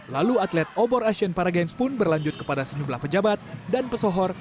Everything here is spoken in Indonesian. lalu atlet obor asian paragames pun berlanjut kepada sejumlah pejabat dan pesohor